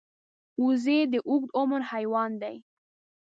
وزې د اوږد عمر حیوان دی